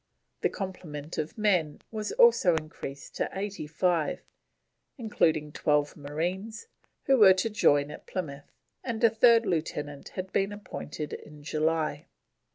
The complement of men was also increased to 85, including 12 marines who were to join at Plymouth, and a third Lieutenant had been appointed in July.